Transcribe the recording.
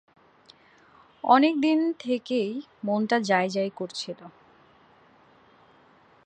অনেক দিন থেকেই মনটা যাই-যাই করছিল।